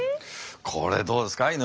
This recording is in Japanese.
これどうですか？